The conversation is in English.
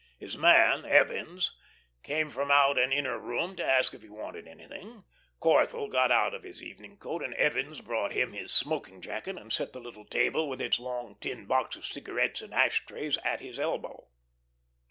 His man, Evans, came from out an inner room to ask if he wanted anything. Corthell got out of his evening coat, and Evans brought him his smoking jacket and set the little table with its long tin box of cigarettes and ash trays at his elbow.